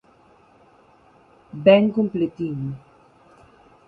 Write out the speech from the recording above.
Vén completiño.